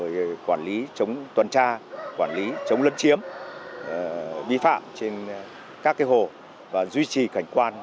rồi quản lý chống tuần tra quản lý chống lấn chiếm vi phạm trên các hồ và duy trì cảnh quan